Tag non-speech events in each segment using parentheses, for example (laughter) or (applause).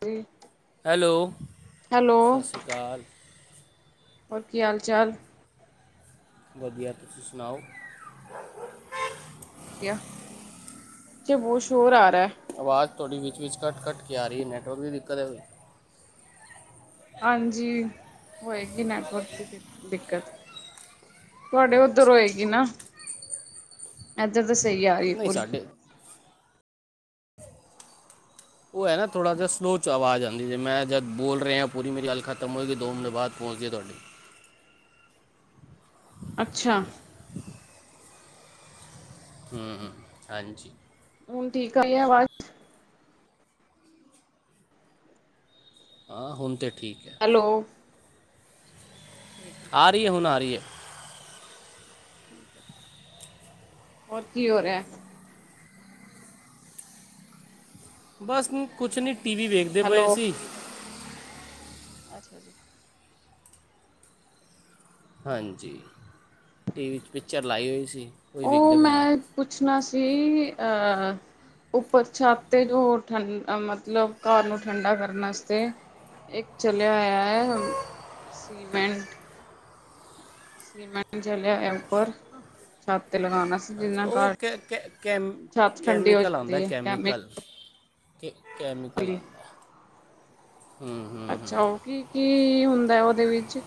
ਜੀ। ਹੈਲੋ, ਸਤਿ ਸ਼੍ਰੀ ਅਕਾਲ। ਹੋਰ ਕੀ ਹਾਲ ਚਾਲ। ਵਧੀਆ, ਤੁਸੀਂ ਸੁਣਾਓ। (inaudible) ਬਹੁਤ ਸ਼ੋਰ ਆ ਰਿਹਾ। ਆਵਾਜ਼ ਤੁਹਾਡੀ ਵਿੱਚ ਵਿੱਚ ਕਟ ਕਟ ਕੇ ਆ ਰਹੀ। ਨੈਟਵਰਕ ਦੀ ਦਿੱਕਤ ਹੈ ਕੋਈ। ਹਾਂਜੀ, ਹੋਏਗੀ ਨੈਟਵਰਕ ਦੀ ਦਿੱਕਤ। ਤੁਹਾਡੇ ਉੱਧਰ ਅੱਛਾ ਹੋਏਗੀ ਨਾ। ਇੱਧਰ ਤੇ ਸਹੀ ਆ ਰਹੀ ਨਹੀਂ ਪੂਰੀ ਸਾਡੇ ਉਹ ਹੈ ਨਾ ਥੋੜ੍ਹਾ ਜਿਹਾ ਸਲੋਅ 'ਚ ਆਵਾਜ਼ ਆਉਂਦੀ ਜੇ। ਮੈਂ ਜਦ ਬੋਲ ਰਿਹਾ ਪੂਰੀ ਮੇਰੀ ਗੱਲ ਖ਼ਤਮ ਹੋਏ ਗਈ ਦੋ ਮਿੰਟਾ ਬਾਅਦ ਪਹੁੰਚ ਗਈ ਤੁਹਾਡੀ। ਅੱਛਾ। ਹਮ ਹਾਂਜੀ। ਹੁਣ ਠੀਕ ਆਈ ਐ ਆਵਾਜ਼। ਆਾ ਹੁਣ ਤੇ ਠੀਕ ਹੈ ਹੈਲੋ। ਆ ਰਹੀ ਹੈ। ਹੁਣ ਆ ਰਹੀ ਹੈ। ਔਰ ਕੀ ਹੋ ਰਿਹਾ। ਬਸ ਕੁਛ ਨਹੀਂ। ਟੀ ਵੀ ਵੇਖਦੇ ਪਏ ਹੈਲੋ ਸੀ। ਅੱਛਾ ਜੀ। ਹਾਂਜੀ। ਟੀ ਵੀ 'ਚ ਪਿਚਰ ਲਾਈ ਹੋਈ ਸੀ। ਕੋਈ ਵੇਖਦੇ ਪਏ ਆ। ਜ ਅਹ ਉੱਪਰ ਛੱਤ ਤੇ ਜੋ ਠੰਡ ਮਤਲਬ ਘਰ ਨੂੰ ਠੰਡਾ ਕਰਨ ਆਸਤੇ ਇੱਕ ਚਲਿਆ ਹੋਇਆ ਹੈ ਸੀਮੈਂਟ। ਸੀਮੇਂਟ ਚਲਿਆ ਹੋਇਆ ਊਪਰ ਛੱਤ ਤੇ ਲਗਾਨ ਵਾਸਤੇ। ਓਹ ਕ ਕ ਕੈ ਠੰਡੀ ਹੋ ਕੈਮੀਕਲ ਜਾਂਦੀ ਆਉਂਦਾ ਏ ਕੈਮੀਕਲ ਕਿ ਕੈਮੀਕਲ ਆਉਂਦਾ ਅੱਛਾ ਉਹ ਕੀ ਕੀ ਹੁੰਦਾ ਓ ਦੇ ਵਿੱਚ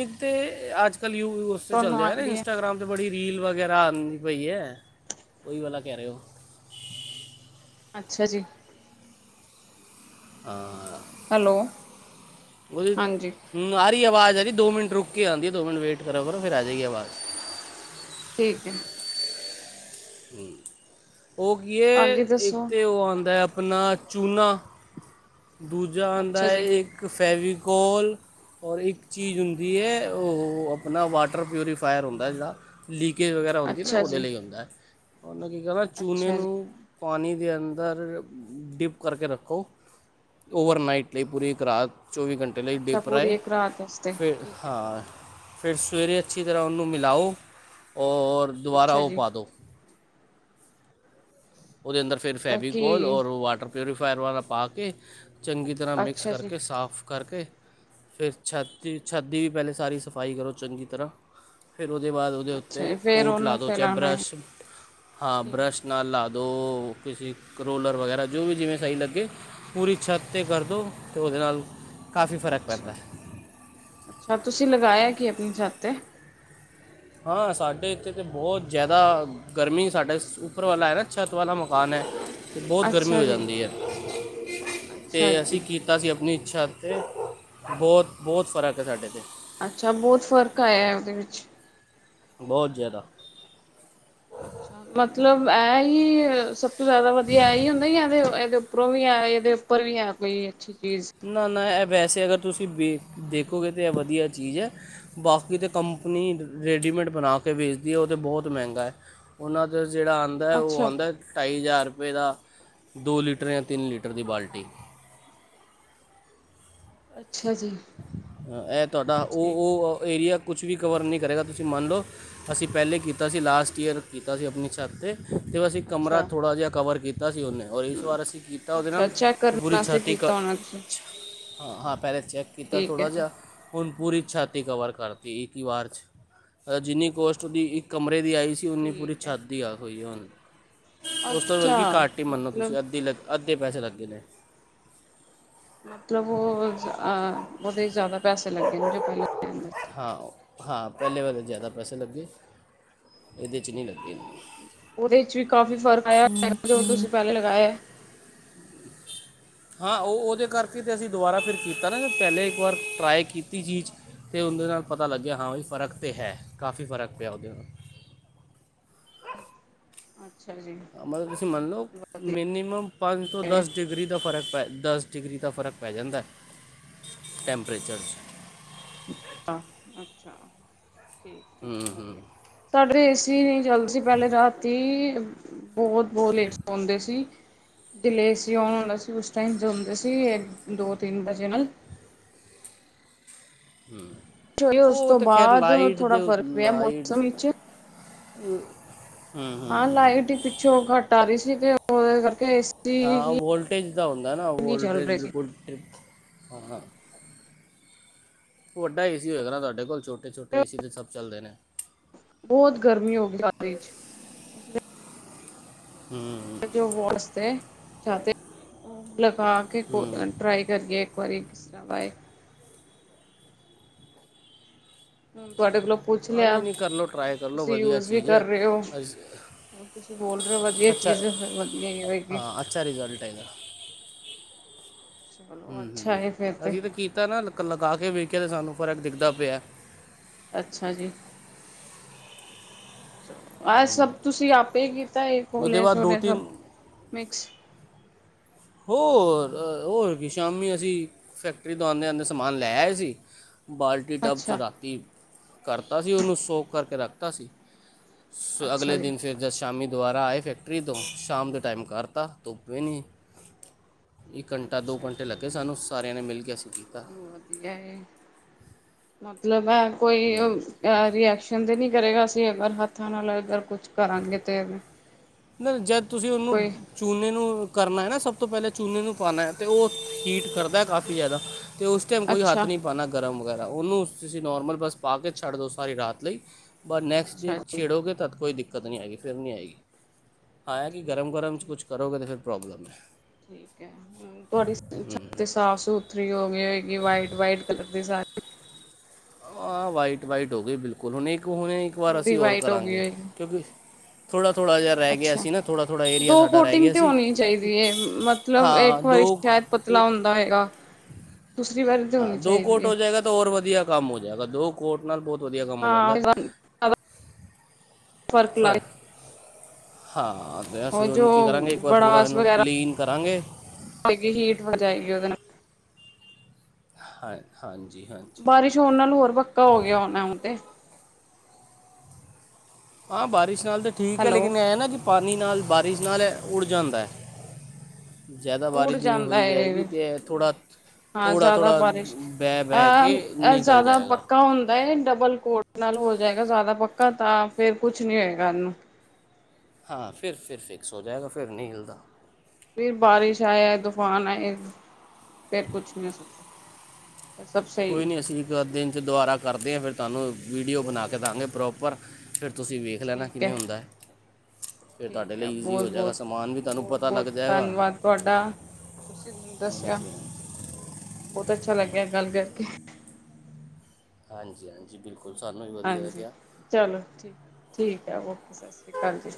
ਇੱਕ ਤੇ ਅੱਜ ਕਾਲ (unintelligible) ਤੇ ਤੁਹਾਨੂੰ ਚੱਲਦੇ ਯਾਰ ਆਈਡੀਆ ਇੰਟਾਗ੍ਰਾਮ ਤੇ ਬੜੀ ਰੀਲ ਵਗੈਰਾ ਆਦੀ ਪਈ ਐ ਓਹੀ ਵਾਲਾ ਕਹਿ ਰੇ ਓ ਅੱਛਾ ਜੀ। ਹਾਂ ਹੈਲੋ ਉਹਦੀ ਹਾਂਜੀ। ਹੁਣ ਆ ਰਹੀ ਆਵਾਜ਼ ਆਰੀ ਦੋ ਮਿੰਟ ਰੁੱਕ ਕੇ ਆਂਦੀ ਐ ਦੋ ਮਿੰਟ ਵੇਟ ਕਰਾ ਕਰੋ ਫੇਰ ਅਜੇਗੀ ਆਵਾਜ ਠੀਕ ਐ ਹੂੰ ਉਹ ਕੀ ਏ ਹਾਂਜੀ ਇੱਕ ਦੱਸੋ ਤੇ ਓਹ ਆਉਂਦਾ ਆਪਣਾ ਚੂਨਾ ਦੂਜਾ ਆਉਂਦਾ ਅੱਛਾ ਜੀ ਏ ਇੱਕ ਫੈਵਿ ਕੋਲ ਔਰ ਇੱਕ ਚੀਜ਼ ਹੁੰਦੀ ਏ ਉਹ ਆਪਣਾ ਵਾਟਰ ਪਿਊਰੀਫਾਇਰ ਹੁੰਦਾ ਜਿਹੜਾ ਲੀਕ ਵਗੈਰਾ ਹੁੰਦੀ ਨਾ ਅੱਛਾ ਉਹਦੇ ਜੀ ਲਈ ਹੁੰਦਾ ਉਹਨਾਂ ਕੀ ਕਦ ਚੂਹਨੇ ਅੱਛਾ ਜੀ ਨੂੰ ਪਾਣੀ ਦੇ ਅੰਦਰ ਡਿਪ ਕਰਕੇ ਰੱਖੋ। ਓਵਰਨਾਈਟ ਲਈ ਪੂਰੀ ਇੱਕ ਰਾਤ ਚੌਵੀ ਘੰਟੇ ਲਈ ਅੱਛਾ ਡਿਪਰ ਪੂਰੀ ਆਏ ਇੱਕ ਰਾਤ ਵਾਸਤੇ ਫਿਰ ਠੀਕ ਹੈ ਹਾਂ ਫਿਰ ਸਵੇਰੇ ਅੱਛੀ ਤਰ੍ਹਾਂ ਉਹਨੂੰ ਮਿਲਾਓ ਔਰ ਦੁਬਾਰਾ ਅੱਛਾ ਉਹ ਜੀ ਪਾ ਦੋ ਉਹਦੇ ਅੰਦਰ ਫਿਰ ਕੀ ਫੈਬੀਕੋਲ ਔਰ ਵਾਟਰ ਪਿਊਰੀਫਾਇਰ ਵਾਲਾ ਪਾ ਕੇ ਚੰਗੀ ਤਰ੍ਹਾਂ ਮਿਕਸ ਅੱਛਾ ਜੀ ਕਰਕੇ ਸਾਫ ਕਰਕੇ ਫਿਰ ਛੱਤ ਦੀ ਛੱਤ ਦੀ ਵੀ ਪਹਿਲੇ ਸਾਰੀ ਸਫਾਈ ਕਰੋ ਚੰਗੀ ਤਰ੍ਹਾਂ ਫਿਰ ਫਿਰ ਉਹਦੇ ਬਾਅਦ ਉਹਦੇ ਅੱਛਾ ਉੱਤੇ ਫੇਰ ਕੋਟ ਲਾ ਉਹਨੂੰ ਦੋ ਚਾਹੇ ਫੈਲਾਣਾ ਹੈ ਬਰੱਸ਼ ਹਾਂ ਬਰੱਸ਼ ਠੀਕ ਨਾਲ ਲਾ ਦੋ (unintelligible) ਦੋ ਕਿਸੇ ਰੋਲਰ ਵਗੈਰਾ ਜੋ ਵੀ ਜਿਵੇਂ ਸਹੀ ਲੱਗੇ ਪੂਰੀ ਛੱਤ 'ਤੇ ਕਰ ਦੀਅਤੇ ਉਹਦੇ ਨਾਲ ਕਾਫੀ ਫਰਕ ਪੈਂਦਾ ਹੈ ਅੱਛਾ-ਅੱਛਾ ਤੁਸੀਂ ਲਗਾਇਆ ਕੀ ਆਪਣੀ ਛਤ ਤੇ ਹਾਂ ਸਾਡੇ ਇੱਥੇ ਤਾਂ ਬਹੁਤ ਜ਼ਿਆਦਾ ਗਰਮੀ ਸਾਡਾ ਉੱਪਰ ਵਾਲਾ ਹੈ ਨਾ ਛੱਤ ਵਾਲਾ ਮਕਾਨ ਐ ਅਤੇ ਬਹੁਤ ਗਰਮੀ ਅੱਛਾ ਹੋ ਜੀ, ਜਾਂਦੀ ਹੈ ਅਤੇ ਅੱਛਾ ਜੀ, ਅਸੀਂ ਕੀਤਾ ਸੀ ਆਪਣੀ ਅੱਛਾ ਅਤੇ ਬਹੁਤ-ਬਹੁਤ ਫਰਕ ਹੈ ਸਾਡੇ 'ਤੇ ਅੱਛਾ ਬਹੁਤ ਫ਼ਰਕ ਆਇਆ ਉਹਦੇ ਵਿੱਚ ਬਹੁਤ ਜ਼ਿਆਦਾ ਅੱਛਾ ਮਤਲਬ ਇਹ ਹੀ ਜ਼ਿਆਦਾ ਵਧੀਆ ਇਹ ਹੀ ਹੁੰਦਾ ਯਾ ਇਹਦੇ ਇਹਦੇ ਉੱਪਰੋਂ ਵੀ ਆ ਇਹਦੇ ਉੱਪਰ ਵੀ ਆ ਕੋਈ ਅੱਛੀ ਚੀਜ਼, ਨਾ ਨਾ ਵੈਸੇ ਅਗਰ ਤੁਸੀਂ ਵੇ ਦੇਖੋਗੇ ਤਾਂ ਇਹ ਵਧੀਆ ਚੀਜ਼ ਹੈ ਬਾਕੀ ਤਾਂ ਕੰਪਨੀ ਰੈਡੀਮੇਡ ਬਣਾ ਕੇ ਵੇਚਦੀ ਹੈ ਉਹ ਤਾਂ ਬਹੁਤ ਮਹਿੰਗਾ ਹੈ ਉਹਨਾਂ ਦਾ ਜਿਹੜਾ ਆਂਦਾ ਉਹ ਅੱਛਾ, ਆਂਦਾ ਢਾਈ ਹਜ਼ਾਰ ਦੋ ਲੀਟਰ ਜਾਂ ਤਿੰਨ ਲੀਟਰ ਦੀ ਬਾਲਟੀ ਅੱਛਾ ਜੀ ਇਹ ਤੁਹਾਡਾ ਉਹ ਠੀਕ ਹੈ। ਉਹ ਏਰੀਆ ਕੁਛ ਵੀ ਕਵਰ ਨਹੀਂ ਕਰੇਗਾ ਤੁਸੀਂ ਮੰਨ ਲਓ ਅਸੀਂ ਪਹਿਲੇ ਕੀਤਾ ਸੀ ਲਾਸਟ ਈਅਰ ਕੀਤਾ ਸੀ ਆਪਣੀ ਛੱਤ ਤੇ ਤੇ ਅਸੀਂ ਕਮਰਾ ਅੱਛਾ, ਥੋੜ੍ਹਾ ਜਿਹਾ ਕਵਰ ਕੀਤਾ ਕੀਤਾ ਸੀ ਉਹਨੇ ਔਰ ਇਸ ਵਾਰ ਅਸੀਂ ਕੀਤਾ ਉਹਦੇ ਅੱਛਾ ਨਾਲ ਚੈੱਕ ਤੇ ਕਰਨ ਪੂਰੀ ਵਾਸਤੇ ਛਾਤੀ ਈ ਕੀਤਾ ਹੋਣਾ ਤੁਸੀਂ, ਹਾਂ ਹਾਂ ਪਹਿਲੇ ਚੈੱਕ ਕੀਤਾ ਠੀਕ ਥੋੜ੍ਹਾ ਹੈ ਜੀ। ਜਿਹਾ ਹੁਣ ਪੂਰੀ ਛੱਤ ਹੀ ਕਵਰ ਕਰਤੀ ਇੱਕ ਹੀ ਵਾਰ 'ਚ ਜਿੰਨੀ ਕੋਸਟ ਉਹਦੀ ਇੱਕ ਕਮਰੇ ਆਈ ਸੀ ਉਓਨੀ ਪੂਰੀ ਠੀਕ ਹੈ, ਛੱਤ ਦੀ ਆ ਗਈ ਹੁਣ ਉਸ ਤੋਂ ਅੱਛਾ ਬਲਕਿ ਘੱਟ ਹੀ ਮੰਨੋ ਮਤਲਬ ਤੁਸੀਂ ਅੱਧੀ ਲ ਅੱਧੀ ਕਿੰਨੇ ਪੈਸੇ ਲੱਗੇ ਨੇ ਮਤਲਬ ਉਹਹ ਉਹਦੇ ਜ਼ਿਆਦਾ ਪੈਸੇ ਲੱਗੇ ਨੇ ਜੋ ਪਹਿਲੇ ਲੈਂਦਾ ਸੀ ਹਾਂ ਹਾਂ ਪਹਿਲੇ ਵੇ ਜ਼ਿਆਦਾ ਪੈਸੇ ਲੱਗੇ ਇਹਦੇ 'ਚ ਨਹੀਂ ਲੱਗੇ ਉਹਦੇ ਵਿੱਚ ਵੀ ਕਾਫ਼ੀ ਫ਼ਰਕ ਆਇਆਗਾ ਜੋ ਤੁਸੀਂ ਪਹਿਲੇ ਲਗਾਏ ਹੈ ਹਾਂ ਉਹ ਉਹਦੇ ਕਰਕੇ ਤੇ ਅਸੀਂ ਦੁਬਾਰਾ ਫਿਰ ਕੀਤਾ ਨਾ ਪਹਿਲੇ ਇੱਕ ਵਾਰ ਟਰਾਈ ਕੀਤੀ ਚੀਜ਼ ਅਤੇ ਉਹਦੇ ਨਾਲ ਪਤਾ ਲੱਗਿਆ ਹਾਂ ਵੀ ਫਰਕ ਤਾਂ ਹੈ ਕਾਫੀ ਫਰਕ ਪਿਆ ਉਹਦੇ ਨਾਲ ਅੱਛਾ ਜੀ। ਮਤਲਬ ਤੁਸੀਂ ਮੰਨੋ ਵਧੀਆ ਮਿਨੀਮਮ ਪੰਜ ਤੋਂ ਦਸ ਡਿਗਰੀ ਦਾ ਫਰਕ ਪੈ ਦਸ ਡਿਗਰੀ ਦਾ ਫ਼ਰਕ ਪੈ ਜਾਂਦਾ ਟੈਂਪਰੇਚਰ 'ਚ ਆਹ ਅੱਛਾ ਠੀਕ ਹੂੰ ਹੂੰ ਵਧੀਆ ਸਾਡੇ ਏਸੀ ਨਹੀਂ ਚੱਲਦੀ ਸੀ ਪਹਿਲੇ ਰਾਤੀ ਬਹੁਤ ਬਹੁਤ ਲੇਟ ਸੌਂਦੇ ਸੀ ਜੇ ਏ ਸੀ ਓਨ ਹੁੰਦਾ ਸੀ ਉਸ ਟਾਈਮਉਂਦੇ ਸੀ ਦੋ ਤਿੰਨ ਵਜੇ ਨਾਲ ਚਲੋ ਉਸ ਉਹ ਤੋਂ ਤਾਂ ਖੈਰ ਬਾਅਦ ਲਾਈਟ ਥੋੜਾ ਦੇ ਫ਼ਰਕ ਪਿਆ ਮੌਸਮ ਵਿੱਚ ਹੰਮ ਹਾਂ, ਲਾਈਟ ਹੀ ਪਿੱਛੋਂ ਘੱਟ ਆ ਰਹੀ ਸੀ। (inaudible) ਹਾਂ, ਏਸੀ ਵੋਲਟੇਜ ਦਾ ਹੁੰਦਾ ਨਾ, ਨਹੀਂ ਚੱਲ ਵੋਲਟੇਜ ਰਹੇ ਸੀ ਬਿਲਕੁਲ ਆ ਹਾਂ ਵੱਡਾ ਏਸੀ ਹੋਏਗਾ ਨਾ ਤੁਹਾਡੇ ਕੋਲ ਛੋਟ ਟੇ ਛੋਟੇ ਏਸੀ ਦੇ ਸਭ ਚੱਲਦੇ ਨੇ। ਬਹੁਤ ਗਰਮੀ ਹੋ ਗਈ (unintelligible) ਚ, ਅਸੀਂ ਤੇ ਹੂੰ। ਜੋ ਵੋਸਤੇ (unintelligible) ਲਗਾ ਕੇ, ਹੂੰ (unintelligible) ਟਰਾਈ ਕਰੀਏ ਇੱਕ ਵਾਰੀ ਕਿਸ ਤਰਾਂ ਦਾਂ ਏ। ਹੂੰ, ਤੁਹਾਡੇ ਕੋਲੋਂ ਪੁੱਛ ਲਿਆ, ਤੁਸੀ ਯੂਜ ਵੀ ਕਰ ਰਹੇ ਹੋ। ਤੁਸੀ ਬੋਲ ਰਹੇ ਹੋ ਵਧੀਆ ਚੀਜ਼ ਐ ਫਿਰ ਵਧੀਆ ਹੀ ਹੋਏਗੀ ਹਾਂ ਅੱਛਾ ਰਿਜ਼ਲਟ ਚਲੋ ਅੱਛਾ ਹੂੰ-ਹੂੰ, ਹੈ ਫਿਰ ਅਸੀ ਤੇ ਕੀਤਾ ਨਾ ਲਗਾ ਕੇ ਵੇਖਿਆ ਤੇ ਸਾਨੂੰ ਫਰਕ ਦਿਖਦਾ ਪਿਆ। ਅੱਛਾ ਜੀ। ਚੱਲੋ ਆਹ ਸਭ ਤੁਸੀ ਆਪੇ ਕੀਤਾ, ਏ ਉਹਦੇ ਬਾਅਦ ਦੋ ਖੋਲਿਆ-ਸੋਲਿਆ ਸਭ ਤਿੰਨ ਮਿਕਸ ਹੋਰ, ਹੋਰ ਕੀ ਸ਼ਾਮੀ ਅਸੀਂ ਫੈਕਟਰੀ ਤੋ ਆਂਦੇ-ਆਂਦੇ ਸਮਾਨ ਲੈ ਆਏ ਸੀ। ਬਾਲਟੀ, ਟੱਬ ਚ ਅੱਛਾ ਰਾਤੀ ਕਰਤਾ ਸੀ ਉਹਨੂੰ, ਸੋਕ ਕਰਕੇ ਰੱਖਤਾ ਸੀ। ਅਗਲੇ ਅੱਛਾ ਜੀ ਦਿਨ ਫੇਰ ਜੱਦ ਸ਼ਾਮੀ ਦੁਬਾਰਾ ਆਏ ਫੈਕਟਰੀ ਤੋਂ, ਸ਼ਾਮ ਦੇ ਟਾਈਮ ਕਾਰਤਾ, ਧੁੱਪ ਵੀ ਨੀ ਇੱਕ ਘੰਟਾ, ਦੋ ਅੱਛਾ ਘੰਟੇ ਜੀ ਲੱਗੇ ਸਾਨੂੰ, ਸਾਰੇ ਇਹਨੂੰ ਮਿਲ ਕੇ ਅਸੀ ਵਧੀਆ ਏ (unintelligible) ਮਤਲਬ ਐ ਕੋਈ ਐ ਰੀਐਕਸ਼ਨ ਤੇ ਨੀ ਕਰੇਗਾ, ਅਸੀਂ ਅਗਰ ਹੱਥਾਂ ਨਾਲ ਅਗਰ ਕੁਛ ਕਰਾਂਗੇ ਤੇ ਬਸ ਜਦ ਤੁਸੀਂ ਉਹਨੂੰ, ਕੋਈ ਚੂਨੇ ਨੂੰ ਕਰਨਾ ਏ ਨਾ ਸਭ ਸਭ ਤੋਂ ਪਹਿਲੇ ਚੂਨੇ ਨੂੰ ਪਾਨਾ ਹੈ ਤੇ ਉਹ ਹੀਟ ਕਰਦਾ ਹੈ ਕਾਫ਼ੀ ਜ਼ਿਆਦਾ ਤੇ ਉਸ ਟਾਈਮ ਕੋਈ ਅੱਛਾ ਹੱਥ ਨਹੀਂ ਪਾਨਾ ਗਰਮ ਵਗੈਰ ਤਾਂ ਉਹਨੂੰ ਤੁਸੀਂ ਨੋਰਮਲ ਬੱਸ ਪਾ ਕੇ ਛੱਡ ਦੋ, ਸਾਰੀ ਰਾਤ ਲਈ ਬਸ ਨੈਕਸਟ ਡੇ ਅੱਛਾ ਜੀ ਛੇੜੋਗੇ ਤੱਦ ਕੋਈ ਦਿੱਕ ਕਤ ਨੀ ਆਏਗੀ, ਫੇਰ ਨੀ ਆਏਗੀ। ਹਾਂ, ਏ ਕਿ ਠੀਕ ਹੈ ਗਰਮ-ਗਰਮ ਚ ਕੁਛ ਠੀਕ ਕਰੋਗੇ ਤੇ ਫਿਰ ਪ੍ਰੋਬਲਮ ਐ। ਠੀਕ ਹੈ ਹੂੰ, ਤੁਹਾਡੀ ਛੱਤ ਤੇ ਸਾਫ਼ ਸੁਥਰੀ ਹੋ ਗਈ ਹੋਏਗੀ ਵਾਈਟ-ਵਾਈਟ ਕਲਰ ਦੀ ਸਾਰੇ। (inaudible) ਆ ਵਾਈਟ-ਵਾਈਟ ਹੋ ਗਈ ਬਿਲਕੁਲ ਹੁਣ ਹੁਣੇ ਇੱਕ ਵਾਰ ਅਸੀਂ ਪੂਰੀ ਹੋਰ ਵਾਈਟ ਹੋ ਗਈ ਕਰਾਂਗੇ, ਹੋਏਗੀ ਕਿਉਂਕਿ ਥੋੜਾ। ਥੋੜਾ ਜਿਹਾ ਰਹਿ ਗਿਆ ਅੱਛਾ ਸੀ ਨਾ ਥੋੜਾ ਥੋੜਾ ਏਰੀਆ ਦੋ ਸਾਡਾ ਰਹਿ ਕੋਟਿੰਗ ਗਿਆ ਤੇ ਸੀ ਹੋਣੀ ਚਾਹੀਦੀ ਹੈ ਮਤਲਬ ਹਾਂ ਇੱਕ ਵਾਰੀ ਦੋ ਕੁ ਸ਼ਾਇਦ ਪਤਲਾ ਹੁੰਦਾ ਹੈਏਗਾ ਤੁਸੀਂ ਹਾਂ ਦੋ ਕੋਟ ਹੋ ਜਾਏਗਾ, ਤਾਂ ਹੋਰ ਵਧੀਆ ਕੰਮ ਹੋ ਜਾਏਗਾ ਦੋ ਕੋਟ ਨਾਲ ਪਹੁਤ। ਹਾਂ, ਇਸ ਵਾਰ ਫਰਕ ਲਗ - ਹਾਂ। ਆਪ ਫਿਰ ਹੁਣ ਕੀ ਕਰਾਂਗੇ, ਇੱਕ ਵਾਰ ਪੂਰਾ ਬੜਾਸ ਇਹਨੂੰ ਵਗੈਰਾ ਕਲੀਨ ਕਰਾਂਗੇ। ਹੋਏਗੀ, ਹੀਟ ਹੋ ਜਾਏਗੀ ਉਹਦੇ ਨਾਲ ਹਾਂ ਹਾਂਜੀ ਹਾਂਜੀ ਬਾਰਿਸ਼ ਹੋਣ ਨਾਲ ਹੋਰ ਪੱਕਾ ਹੋ ਗਿਆ ਹੋਣਾ ਹੁਣ ਤੇ ਹਾਂ ਬਾਰਿਸ਼ ਗੱਲ ਤੇ ਠੀਕ ਹੈ, ਹੈਲੋ ਲੇਕਿਨ ਇਹ ਹੈ ਨਾ ਕੀ -' ਪਾਣੀ ਨਾਲ ਬਾਰਿਸ਼ ਨਾਲ ਉੱੜ ਜਾਂਦਾ ਐ। ਜ਼ਿਆਦਾ ਉੜ ਬਾਰਿਸ਼ ਜਿਵੇਂ ਜਾਂਦਾ ਹੋਈ ਜਾਏਗੀ, ਤੇ ਹੈ ਥੋੜ੍ਹਾ ਹਾਂ ਥੋੜ੍ਹਾ ਜ਼ਿਆਦਾ ਥੋੜ੍ਹਾ ਬਾਰਿਸ਼ ਬਹਿ ਬਹਿ ਕੇ ਅ ਨਿਕਲ ਜ਼ਿਆਦਾ ਜਾਏਗਾ। ਪੱਕਾ ਹੁੰਦਾ ਹੈ ਡਬਲ ਕੋਡ ਨਾਲ ਹੋ ਜਾਏਗਾ ਜ਼ਿਆਦਾ ਪੱਕਾ, ਤਾਂ ਫੇਰ ਕੁਛ ਨੀ ਹੋਏਗਾ ਇਹਨੂੰ ਹਾਂ ਫਿਰ ਫਿਰ ਫਿਕਸ ਹੋ ਜਾਏਗਾ, ਫਿਰ ਨਹੀਂ ਹਿਲਦਾ। ਫਿਰ ਬਾਰਿਸ਼ ਆਇ ਤੂਫਾਨ ਆਏ। ਫੇਰ ਕੁਛ ਨਹੀਂ ਹੋ ਸਕਦਾ। ਸਭ ਕੋਈ ਸਹੀ ਨੀ ਅਸੀਂ ਇੱਕ ਦਿਨ ਚ ਦੁਬਾਰਾ ਕਰਦੇ ਹਾਂ ਫਿਰ ਤੁਹਾਨੂੰ ਵੀਡੀਓ ਬਣਾ ਕੇ ਦਾਂਗੇ ਪ੍ਰੋਪਰ, ਫਿਰ ਤੁਸੀਂ ਵੇਖ ਲੈਣਾ ਠੀਕ ਕਿਵੇਂ ਹੈ, ਹੁੰਦਾ ਫਿਰ ਤੁਹਾਡੇ ਠੀਕ ਹੈ, ਲਈ ਈਜ਼ੀ ਬਹੁਤ ਹੋ ਜਾਏਗਾ ਬਹੁਤ ਸਮਾਨ ਵੀ ਤੁਹਾਨੂੰ ਬਹੁਤ ਪਤਾ ਬਹੁਤ ਲੱਗ ਜਾਏਗਾ ਧੰਨਵਾਦ ਤੁਹਾਡਾ ਤੁਸੀਂ ਮਨੂੰ ਦੱਸਿਆ। ਹਾਂਜੀ ਹਾਂਜੀ ਬਹੁਤ ਅੱਛਾ ਲੱਗਿਆ ਗੱਲ ਕਰਕੇ ਹਾਂਜੀ ਹਾਂਜੀ ਬਿਲਕੁਲ। ਸਾਨੂੰ ਵੀ ਵਧੀਆ ਹਾਂਜੀ, ਲੱਗਿਆ ਚਲੋ ਠੀਕ ਠੀਕ ਹੈ ਔਕੇ, ਸਤਿ ਸ੍ਰੀ ਅਕਾਲ ਜੀ।